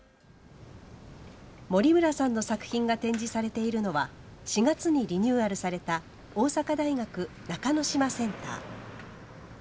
森村さんの作品が展示されているのは４月にリニューアルされた大阪大学中之島センター。